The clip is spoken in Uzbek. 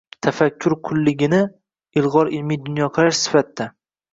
tafakkur qulligini – ilg‘or ilmiy dunyoqarash sifatida;